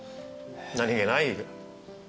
何げない。